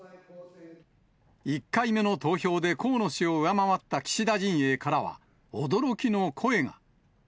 １回目の投票で河野氏を上回った岸田陣営からは、驚きの声が。